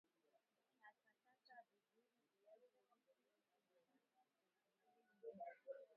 Katakata vizuri viazi lishe na kuvimenya